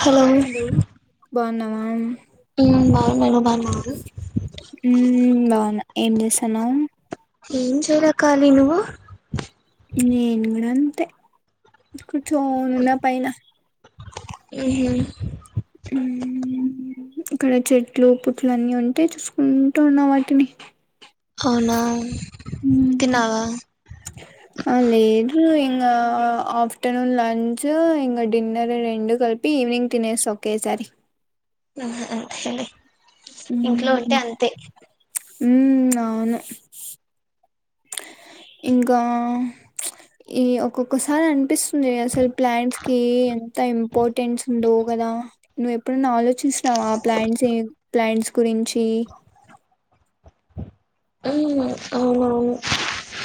Hello బావున్నావా ఉమ్ బావున్నా నువ్ బా ఉమ్ బావున్నా ఏం చేస్తాన్నావ్ ఏం చేయలేకాలి నువ్వు నేను కూడా అంతే కూర్చో నున్న పైన ఉహు ఊ ఇక్కడ చెట్లు పుట్లు అన్నీ ఉంటే చూసుకుంటూ ఉంటున్న వాటిని అవున హ అ లేరు ఇగ్ ఆ ఆఫ్టర్నూన్ లంచ్ ఇంగ డిన్నర్ రెండు కలిపి ఈవినింగ్ తినేస్త ఓకే సారి [unintelligible] ఆ అంతే ఇంట్లో ఉంటే అంతే ఉ అవును ఇంకా ఈ ఒక్కొక్కసారి అనిపిస్తుంది, అసలు ప్లాంట్స్ కి ఎంత ఇంపార్టెన్స్ ఉందో గ కదా నువ్వు ఎప్పుడున్నా ఆలోచిస్తున్నావా ప్లాంట్స్ ప్లాంట్స్ గురించి, అ అవునునవును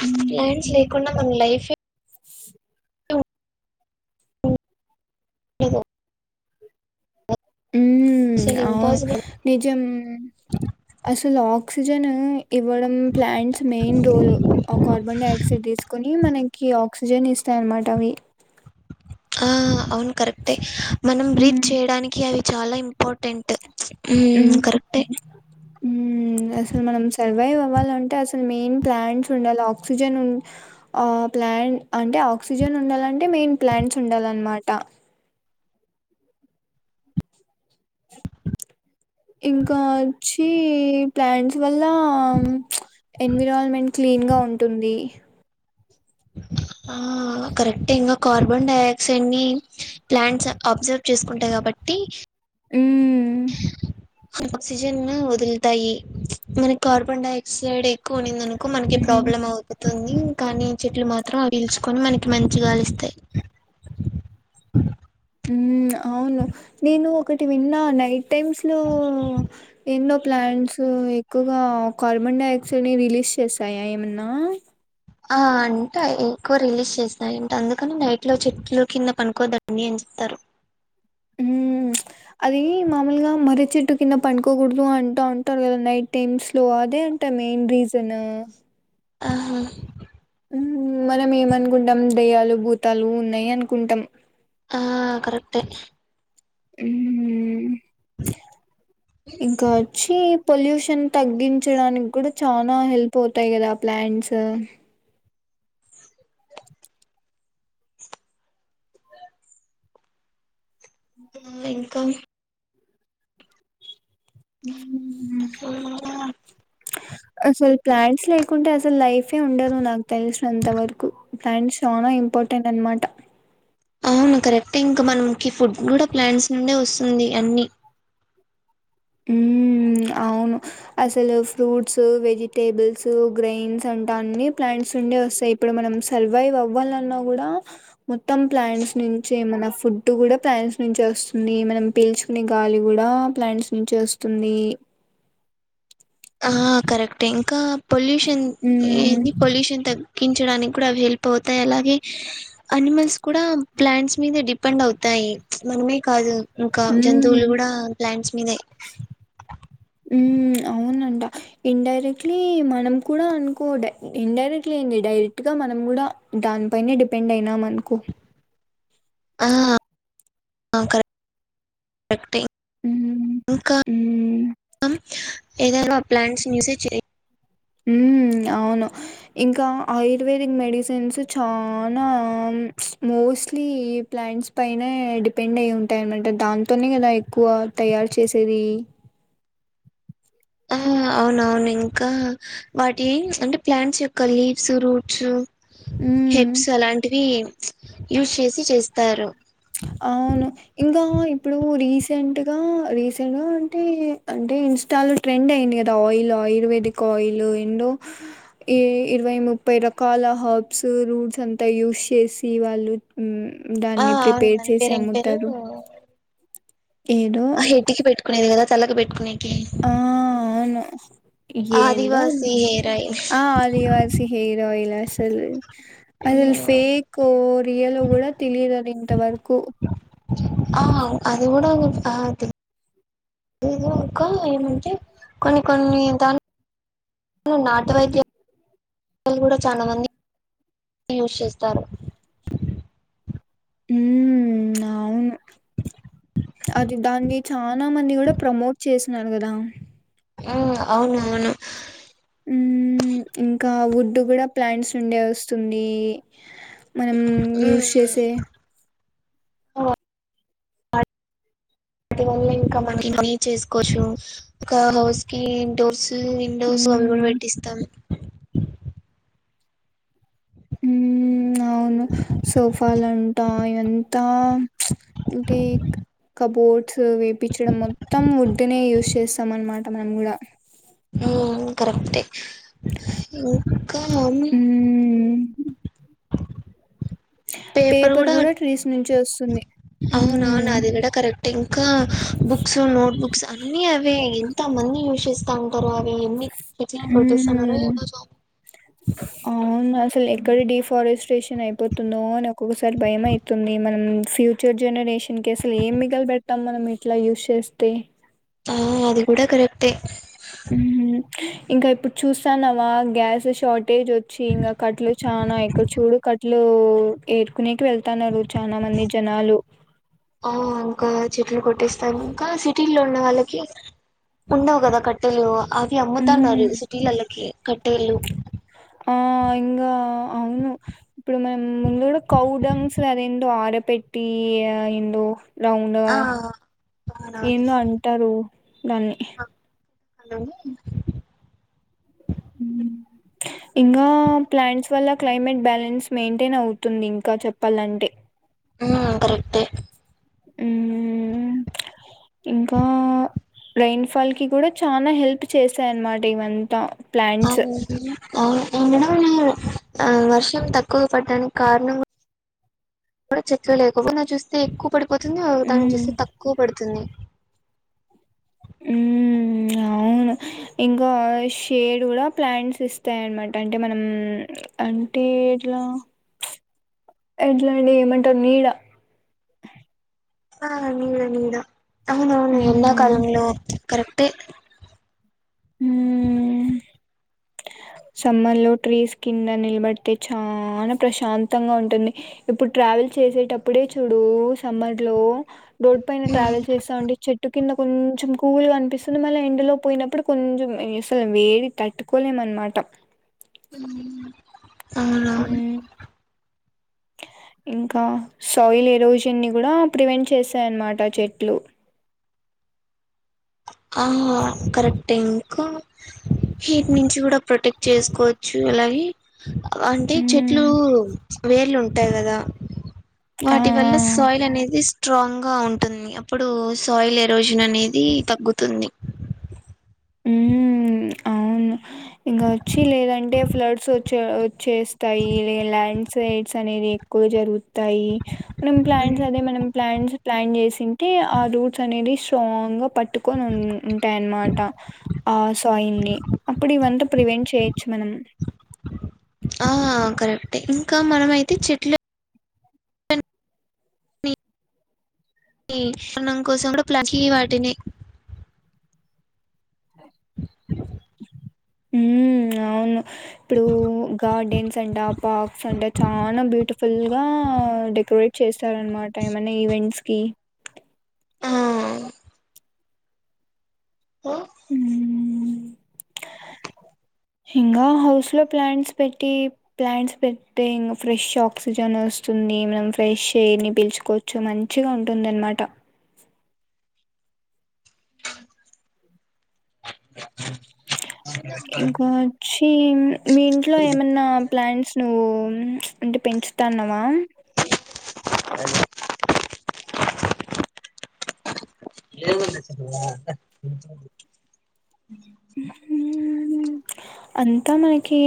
ఉమ్ ఎం చేయ కుండా మన లైఫే [unintelligible] ఒహో ఉ అసలు అవును ఇంపాసిబుల్ నిజం అసలు ఆక్సీజన్ ఇవ్వడం plants main role carbon dioxide తీసుకొని మనకి ఆక్సిజన్ ఇస్తాయి, అన మాట అవి ఆ అవును కరెక్టే మనం బ్రీత్ ఉమ్, చేయడానికి అవి చాలా ఇంపార్టెంట్ ఉ ఉమ్ కరెక్టే అసలు మనం సర్వైవ్ ఇవాళ అంటే అసలు మెయిన్ ప్లాంట్స్ ఉండాలి ఆక్సిజన్ ప్లాంట్ అంటే ఆక్సిజన్ ఉండాలంటే మెయిన్ ప్లాంట్స్ ఉండాలన్నమాట ఇంకా వచ్చి ఈ ప్లాంట్స్ వల్ల ఎన్విరాన్మెంట్ క్లీన్ గా ఉంటుంది. [unintelligible] ఆ కరెక్ట్ ఇంకా కార్బన్ డై ఆక్సైడ్ ని ప్లాంట్స్ అబ్జర్వ్ చేసుకుంటాయి కాబట్టి టి ఉమ్ [unintelligible] ఆక్సిజన్ వదులుతాయి, మన కార్బన్ డైఆక్సైడ్ ఎక్కువ ఉనిందినుకో మనకి ఉమ్ ప్రాబ్లమ్ అవుతుంది. తుంది కానీ చెట్లు మాత్రం అవి పీల్చుకొని మనకి మంచిగాలి ఇస్తాయి. [unintelligible] ఊ అవును నేను ఒకటి విన్నా నైట్ టైమ్స్ లో ఎన్నో ప్లాంట్స్ ఎక్కువగా కార్బన్ డైఆక్సైడ్ ని రిలీజ్ చేస్తాయా ఏమన్నా, ఆ అంటే ఎక్కువ రిలీజ్ చేసినాయింటే అందుకని నైట్ లో చెట్లు కింద పనుకోద్దండి అని చెప్తారు ఊ అది మామూలుగా మర్రి చెట్టు కింద పనుకోకూడదు అంటూ అంటారు కదా నైట్ టైమ్స్ లో అదే నంట మెయిన్ రీజను ఆహా మనం ఏమనుకుంటాం దయ్యాలు భూతాలు ఉన్నాయి అనుకుంటాం, ఆ కరెక్టే ఊ ఇంకా వచ్చి పొల్యూషన్ తగ్గించడానికి కూడా చానా హెల్ప్ అవుతాయి కదా ప్లాంట్స్ ఆ ఇంకా [unintelligible] అ [unintelligible] అసలు ప్లాంట్స్ లేకుంటే అసలు లైఫే ఉండదు నాకు తెలిసినంత వరకు ప్లాంట్స్ చాలా ఇంపా టెంట్ అన్ మాట అవును కరెక్ట్ టే ఇంకా మనకి ఫుడ్ కూడా ప్లాంట్స్ నుండే వస్తుంది అన్ని ఉ అవును అసలు ఫ్రూట్స్ వెజిటేబుల్స్ గ్రెయిన్స్ అంటా అన్ని ప్లాంట్స్ నుండే వస్తాయి ఇప్పుడు మనం సర్వైవ్ అవ్వాలన్నా కూడా మొత్తం ప్లాంట్స్ నుంచి మన ఫుడ్ ఫుడ్డు కూడా ప్లాంట్స్ నుంచి వస్తుంది మనం పీల్చుకునే గాలి కూడా ప్లాంట్స్ నుంచే వస్తుంది ఆ కరెక్ట్ ఇంకా పొల్యూషన్ హ్మ్ ఏంది పొల్యూషన్ తగ్ గించడానికి కూడా అవి హెల్ప్ అవుతాయి అలాగే అనిమల్స్ కూడా ప్లాంట్స్ మీద డిపెండ్ అవుతాయి మనమే కాదు ఇంకా హ్మ్ జంతువులు కూడా ప్లాంట్స్ మీదే ఊ అవునంట ఇండై డైరెక్ట్ లీ మనం కూడా అనుకో ఇన్ డైరెక్ట్ లీ ఏంది డైరెక్ట్ గా మనం కూడా దాని పైనే డిపెండ్ అయినామనుకో ఆ క కరెక్టే హ్మ్ ఇంకా హ్మ్ ఏదైనా ప్లాంట్స్ నీ చూసి హ అవును ఇంకా ఆయుర్వేదిక్ మెడిసిన్స్ చానా స్మూ మోస్ట్లీ ప్లాంట్స్ పైనే డిపెండ్ అయి ఉంటాయినమాట దాంతోనే కదా ఎక్కువ తయారు చేసే ది అవున అవును ఇంకా వాటి అంటే ప్లాంట్స్ యొక్క లీవ్స్ రూట్స్ హ్మ్. హేబ్స్ అలాంటివి యూస్ చేసి చేస్తారు అవును ఇంకా ఇప్పుడు రీసెంట్గా రీసెంట్గా అంటే అంటే ఇంస్టా లో ట్రెండ్ అయింది కదా ఆయిల్ ఆయుర్వేదిక్ ఆయిలు ఉన్న ఇరవై ముప్ప రకాల హర్బ్స్ రూట్స్ అంతా యూస్ చేసి వాళ్ళు ఆ దాన్ని అవును ప్రిపేర్ దాని చేసి పేరు ఏం పేరు ఏడు కునేది కదా తలకి పెట్టుకునేటియి ఆ అవును ఏం ఆదివాసి హెయిర్ ఆయిల్ ఆ ఆదివాసి హెయిర్ ఆయిల్ అసలు అసల్ ఫేక్ రియలివి కూడా తెలియలేదు ఇంతవరకు ఆ అది కూడా అది అది ఇంకా ఏమంటే కొన్ని కొన్ని దాన్ని నాటు వైద్య [unintelligible] కూడా చాలా మంది యూస్ చేస్తారు హూ అవును అది దాన్ని చాలా మంది కూడా ప్రమోట్ చేసనరు కదా ఆ అవును అవును ఇంకా వుడ్ కూడా ప్లాంట్స్ నుండే వస్తుంది మనం యూస్ ఉమ్ చేసే అటివల్ల ఇంకా మన ఇ చేసుకోవచ్చు ఒక హౌస్ కి ఇండోర్స్ విండోస్ అవి కూడా ఉమ్ పెట్టిస్తాం హ అవును సోఫ లంటా ఎంత అంటే కబోర్డ్స్ వేపించడం మొత్తం వుడ్నే యూస్ చేస్తాం అనమాట మనం కూడా కరెక్టే ఇంకా హ్మ్ పేపర్ గుడా ట్రీస్ నుంచి వస్తుంది అవునా హ్మ్ నాది గుడా కరెక్టే ఇంకా బుక్స్ నోట్ బుక్స్ అన్నీ అవే మంది యూస్ చేస్తా ఉంటారో అవి ఎన్ని ఎట్లా కొట్టేస్తున్నారో మ్మ్ ఏమో అవున అసలు ఎక్కడ డిఫారెస్ట్రేషన్ అయిపోతుందో అని ఒక్కొక్కసారి భయం అయితుంది మనం ఫ్యూచర్ జనరే షన్ కసలు ఏం మిగల పెట్టతాం మనం ఇట్లా యూజ్ చేస్తే ఆ అది గూడా కరెక్టే మ్మ్ ఇంకా ఇప్పుడు చూస్తానవా గ్యాస్ షార్టేజ్ వచ్చి ఇంగ కట్ట్లు చానా ఇక్కడ చూడు క అట్లు ఏరుకునేకి వెళ్త్ తనరు చాలా మంది జనాలు ఆ ఇంకా చెట్లు కొట్టేస్తారు ఇంకా సిటీల్లో ఉన్న వాళ్ళకి ఉండవు గదా కట్టెలు అవి హ్మ్ అమ్ముతన్నారు సిటీలల్లకి కట్టేలు ఆ ఇంగా అవును ఇప్పుడు మనం ముందు గుడ కౌడంగ్స్ అదేందో ఆడ పెట్టి ఏందో రౌండ్గా ఆ అవునవును ఏందో అంటారు దాన్ని హలో హ్మ్ ఇంగా ప్లాంట్స్ వల్ల క్లైమేట్ బ్యాలెన్స్ మెయింటైన్ అవుతుంది ఇంకా చెప్పాలంటే ఆ కరెక్టే మ్మ్ ఇంకా రైన్ ఫాల్ కి కూడా చాలా హెల్ప్ చేసాయన్నమాట ఇవంతా ప్లాంట్స్ అవును ఆ వర్షం తక్కువ పడ్డానికి కారణం చెట్లు లేకపోన చూస్తే ఎక్కువ పడిపోతుంది ఒకతాన మ్మ్ చూస్తే తక్కువ పడుతుంది ఉమ్ అవును ఇంకా షేడ్ గుడా ప్లాంట్స్ ఇస్తాయన్నమాట అంటే మనం అంటే ట్లా ఎట్లాండి ఏమంటారు నీడ ఆ నీడ నీడ అవునవును ఎండా ఉమ్ కాలంలో కరెక్ ట్టే ఉమ్ సమ్మర్ లో ట్రీస్ కింద నిలబడితే చాలా ప్రశాంతంగా ఉంటుంది ఇప్పుడు ట్రావెల్ చేసేటప్పుడే చూడు సమ్మర్ లో రోడ్ పైన ఉమ్, ట్రావెల్ చేస్తా ఉంటే చెట్టు కింద కొంచెం కూల్గా అనిపిస్తుంది మళ్ళ ఎండలో పోయినప్పుడు కొంచెం అసలు వేడి తట్టుకోలేమన్న్మా ట ఉమ్ ఆ ఉమ్ ఇంకా సాయిల్ ఎరోజన్ ని గూడా ప్రివెంట్ చేస్తాయన్న్మాట చెట్లు ఆ కరెక్ట్ ఇంకా హీట్ నుంచి కూడా ప్రొటెక్ట్ చేసుకోవచ్చు అలాగే అంటే చెట్లు ఉమ్ వేర్లు ఉంటాయి గదా ఆ వాటి వల్ల ఆ సాయిల్ అనేది స్ట్రాంగ్గా ఉంటుంది అప్పుడు సాయిల్ ఎరోజన్ అనేది తగ్గుతుంది ఊహు ఇంగ వచ్చి లేదంటే ఫ్లడ్స్ వచ్చే వచ్చేస్తాయి లే ల్యాండ్ స్లైడ్ సనేవి ఎక్కువ జరుగుతాయి మనం ప్లాంట్స్ అదే మనం ప్లాంట్స్ ప్లాన్ చేస్ ఉంటే ఆ రూట్స్ అనేది స్ట్రాంగ్ గా పట్టుకోన్ ఉన్ ఉంటాయన్న్మాట ఆ సాయిల్ని అప్పుడివంత ప్రివెంట్ చేయచ్చు మనం ఆ కరెక్టే ఇంకా మనమైతే చెట్లె కణం కోసం గుడ ప్లాన్ చి వాటిని హుమ్ అవును ఇప్పుడు గార్డెన్స్ అంట పార్క్స్ అంట చాలా బ్యూటిఫుల్ గా డెకరేట్ చేస్తారన్నమాట ఏమన్నా ఈవెంట్స్కి ఆ హ అ ఇంకా హౌస్ లో ప్లాంట్స్ పెట్టి ప్లాంట్స్ పెడ్తే ఇం ఫ్రెష్ ఆక్సిజన్ వస్తుం ది మనం ఫ్రెష్ ఎయిర్ ని పిల్చుకోవచ్చు మంచిగా ఉంటుంది అనమాట ఇంకా వచ్చి మీ ఇంట్లో ఏమన్నా ప్లాంట్స్ నువ్ అంటే పెంచుతాన్నావా హలో ఏ చె అంతా మనకి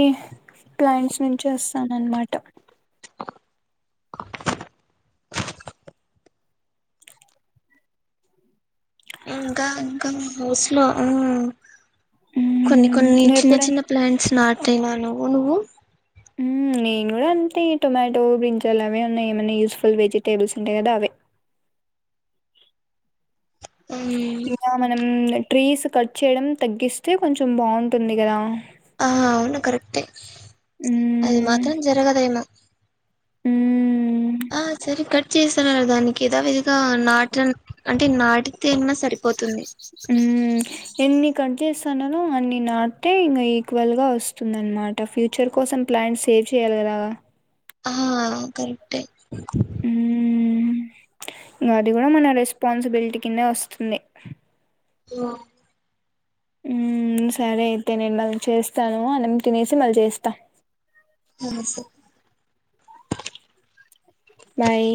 ప్లాంట్స్ పెంచేస్తానన్నమాట ఇంకా ఇంకా మా హౌస్ లో అ కొన్ని మ్మ్. కొన్ని నువ్వు చిన్న ఎప్పుడైనా చిన్న ప్లాంట్స్ నాటిన నువ్వు నువ్వు హుం నేను కూడా అంటే టొమాటో బ్రింజాలు అవే ఉన్నాయి ఏమైన్నా యూస్ఫుల్ వెజిటేబుల్స్ ఉంటాయి కదా అవే ఇంగ మనం ట్రీస్ కట్ చేయడం తగ్గిస్తే కొంచెం బాగుంటుంది కదా ఆ అవును కరెక్టే అది మాత్రం జరగదేమొ హుం సరే కట్ చేస్తున్నారు దానికి ఏదా విదిగా నాట అంటే నాటితెన్నా సరిపోతుంది హుమ్ ఎన్ని కట్ చేస్తున్నారో అన్ని నాటితే ఇంకా ఈక్వల్ గా వస్తుంది అనమా మాట ఫ్యూచర్ కోసం ప్లాన్స్ సేవ్ చేయాలి కదా ఆ కరెక్ట్ే హుం ఇంగా అది కూడా మన రెస్పాన్సిబిలిటీ కిందే వస్తుంది వా సరే అయితే నేను మళ్ళీ చేస్తాను అన్నం తినేసి మళ్ళీ చేస్తా ఆ స బాయ్